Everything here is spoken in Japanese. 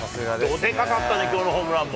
どでかかったね、きょうのホームランも。